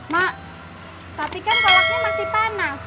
mak tapi kan kolaknya masih panas